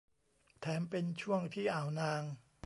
แถมเป็นช่วงที่อ่าวนาง